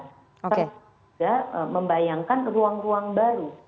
terus juga membayangkan ruang ruang baru